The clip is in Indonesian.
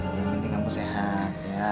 yang penting kamu sehat